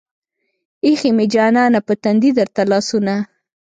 ايښې مې جانانه پۀ تندي درته لاسونه